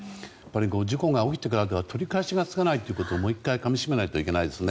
事故が起きてからでは取り返しがつかないともう１回、かみしめないといけないですね。